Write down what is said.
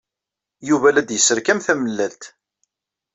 Yuba la d-yesserkam tamellalt.